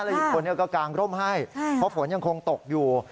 อีกคนก็กางร่มให้เพราะฝนยังคงตกอยู่